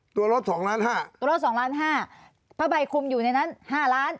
ตัวรถสองล้านห้าตัวรถสองล้านห้าผ้าใบคุมอยู่ในนั้นห้าล้าน